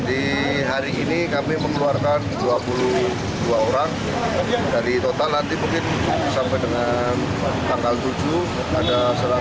jadi hari ini kami mengeluarkan dua puluh dua orang dari total nanti mungkin sampai dengan tanggal tujuh ada satu ratus dua puluh tujuh